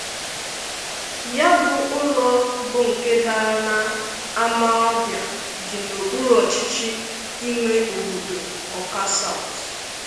Ya bụ ụlọ bụ nke dara n'Amawbia dị n'okpuru ọchịchị ime obodo 'Awka South'